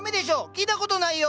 聞いた事ないよ！